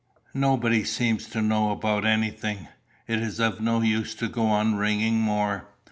Nobody seems to know about anything. It is of no use to go on ringing more.